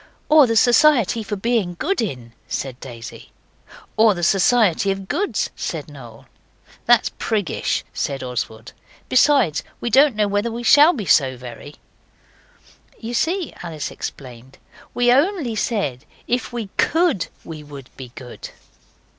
'Or the Society for Being Good In,' said Daisy. 'Or the Society of Goods,' said Noel. 'That's priggish,' said Oswald; 'besides, we don't know whether we shall be so very.' 'You see,' Alice explained, 'we only said if we COULD we would be good.